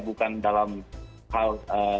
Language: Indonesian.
bukan dalam hal